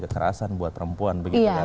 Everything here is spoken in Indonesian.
kekerasan buat perempuan